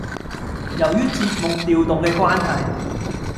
由於節目調動嘅關係